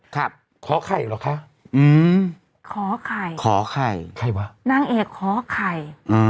ครับขอใครเหรอคะขอใครนางเอกขอใคร